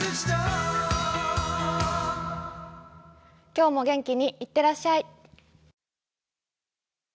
今日も元気にいってらっしゃい。